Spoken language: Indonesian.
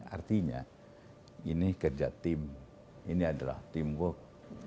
artinya ini kerja tim ini adalah teamwork